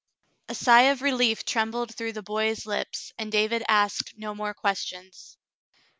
A sigh of relief trembled through the boy's lips, and David asked no more questions.